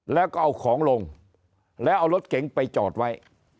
แล้วก็เอาของลงแล้วเอารถเก๋งไปจอดไว้